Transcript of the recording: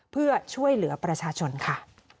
เพื่อช่วยเหลือประชาชนค่ะ